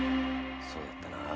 そうだったなぁ。